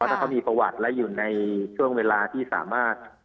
เพราะถ้ามีประวัติอยู่ในเวลาที่สามารถ